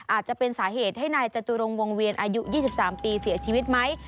อาจจะเป็นสาเหตุให้นายจตุรงวงเวียนอายุ๒๓ปีเสียชีวิตไหม